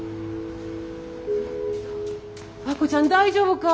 亜子ちゃん大丈夫か？